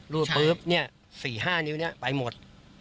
รูดปุ๊บเนี่ย๔๕นิ้วเนี่ยไปหมด